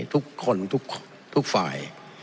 ทุกคนทุกฝ่าย